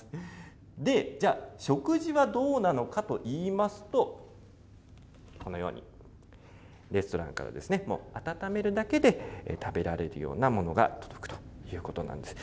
で、じゃあ、食事はどうなのかといいますと、このように、レストランから、もう温めるだけで食べられるようなものが届くということなんです。